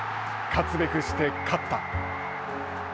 勝つべくして、勝った。